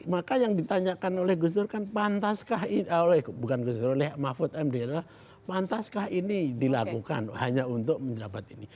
maka yang ditanyakan oleh gus dur kan pantaskah bukan gus dur oleh mahfud md adalah pantaskah ini dilakukan hanya untuk menjabat ini